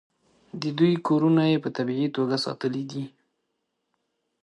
د دوی کورونه په طبیعي توګه ساتلي دي.